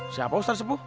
siapa ustadz sepuh